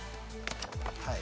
はい。